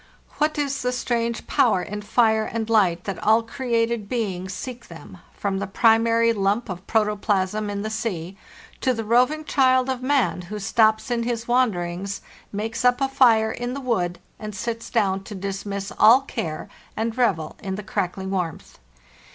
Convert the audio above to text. What is the strange power in fire and light that all created be ings seek them, from the primary lump of protoplasm in the sea to the roving child of man, who stops in his wanderings, makes up a fire in the wood, and sits down to dismiss all care and revel in the crackling warmth.